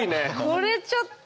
これちょっと。